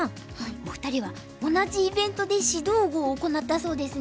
お二人は同じイベントで指導碁を行ったそうですね。